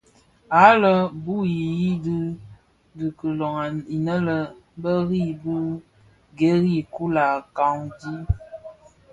Àa le bu i yii di bi kilong inë bë ri bii ghêrii kula canji.